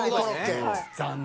残念。